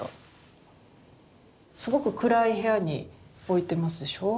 すごく暗い部屋に置いてますでしょう？